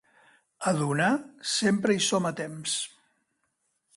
A donar sempre hi som a temps.